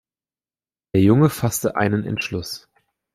Der Junge fasste einen Entschluss.